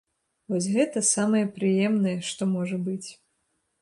Вось гэта самае прыемнае, што можа быць.